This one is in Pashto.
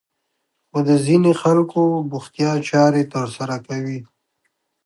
خو د ځينې خلکو بوختيا چارې ترسره کوي.